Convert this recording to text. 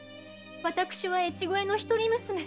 私は越後屋の一人娘。